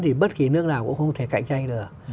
thì bất kỳ nước nào cũng không thể cạnh tranh được